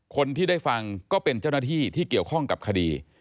คนที่ได้ฟังก็เป็นเจ้าหน้าที่ที่เกี่ยวข้องกับคดี